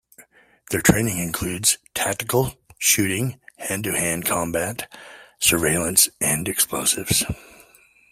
Their training includes: tactical shooting, hand-to-hand combat, surveillance, and explosives.